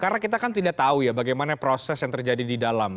karena kita kan tidak tahu ya bagaimana proses yang terjadi di dalam